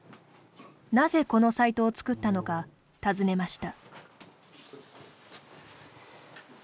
なぜこのサイトの作ったのか尋ねました。